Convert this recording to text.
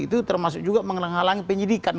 itu termasuk juga menghalangi penyidikan